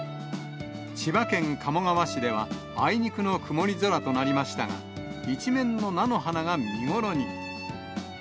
千葉県鴨川市では、あいにくの曇り空となりましたが、一面の菜の花が見頃に。